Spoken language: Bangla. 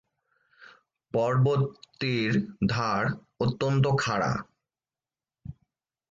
পর্বতটির ধার অত্যন্ত খাড়া।